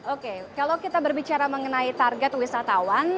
oke kalau kita berbicara mengenai target wisatawan